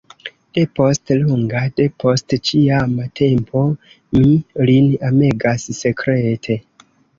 Depost longa, depost ĉiama tempo, mi lin amegas sekrete.